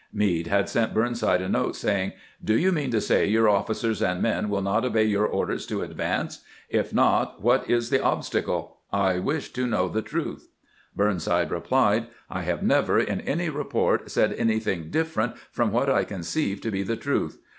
Meade had sent Burnside a note saying :" Do you mean to say your officers and men will not obey your orders to advance ? If not, what 268 OAMPAIGNIKG WITH GRANT is the obstacle ? I wish to know the truth." Burnside replied: "I have never, in any report, said anything different from what I conceive to be the truth.